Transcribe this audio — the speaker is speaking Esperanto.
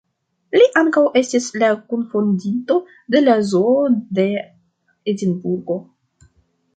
Li ankaŭ estis la kunfondinto de la zoo de Edinburgo.